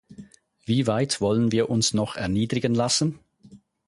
Wie weit wollen wir uns noch erniedrigen lassen?